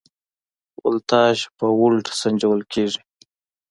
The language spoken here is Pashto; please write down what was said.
ولتاژ په ولټ سنجول کېږي.